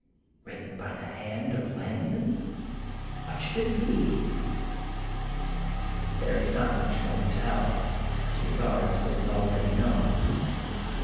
Written by the hand of Lanyon, what should it mean? ŌĆó ŌĆóŌĆóŌĆóŌĆóŌĆóŌĆóŌĆó There is not much more to tell as re gards what is already known.